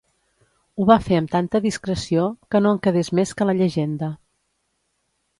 Ho va fer amb tanta discreció que no en quedés més que la llegenda.